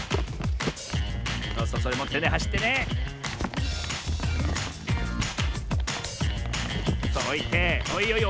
そうそうそれもってねはしってねおいておおいいよいいよ。